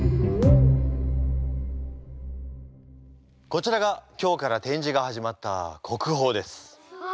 こちらが今日から展示が始まった国宝です。